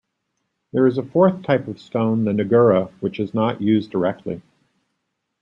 There is a fourth type of stone, the "nagura", which is not used directly.